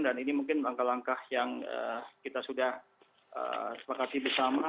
dan ini mungkin langkah langkah yang kita sudah sepakati bersama